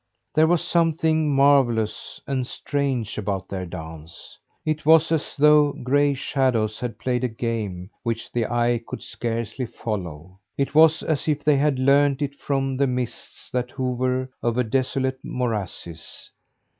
There was something marvellous and strange about their dance. It was as though gray shadows had played a game which the eye could scarcely follow. It was as if they had learned it from the mists that hover over desolate morasses.